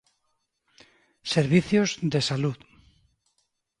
Servicios de Salud